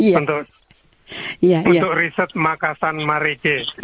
untuk riset makassan marike